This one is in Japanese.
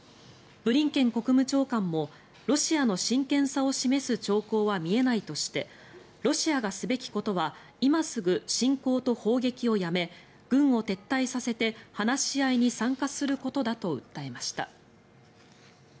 ブリンケン国務長官もロシアの真剣さを示す兆候は見えないとしてロシアがすべきことは今すぐ侵攻と砲撃をやめ軍を撤退させて話し合いに参加することだと訴えました。